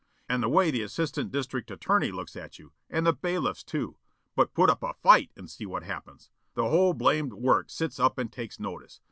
And the way the Assistant District Attorney looks at you! And the bailiffs too. But put up a fight and see what happens. The whole blamed works sits up and takes notice.